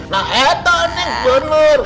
nah itu eneng bener